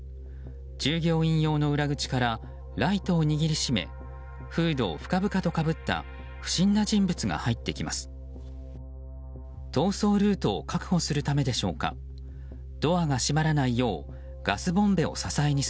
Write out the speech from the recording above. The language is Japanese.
従業員用の裏口からライトを握りしめフードを深々とかぶった不審な人物が入ってきます。